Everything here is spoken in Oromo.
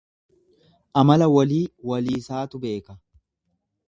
Amala walii waliisaatu beeka.